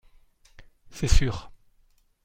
C’est sûr